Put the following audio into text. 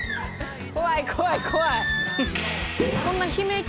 怖い怖い怖い。